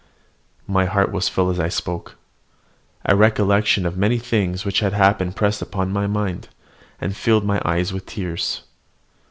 My heart was full as I spoke. A recollection of many things which had happened pressed upon my mind, and filled my eyes with tears.